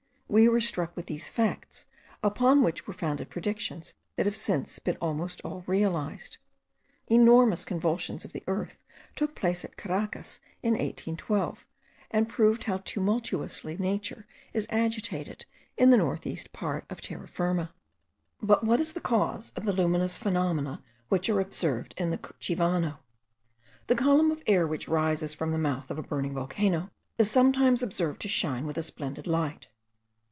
We were struck with these facts, upon which were founded predictions that have since been almost all realized. Enormous convulsions of the earth took place at Caracas in 1812, and proved how tumultuously nature is agitated in the north east part of Terra Firma. But what is the cause of the luminous phenomena which are observed in the Cuchivano? The column of air which rises from the mouth of a burning volcano* is sometimes observed to shine with a splendid light.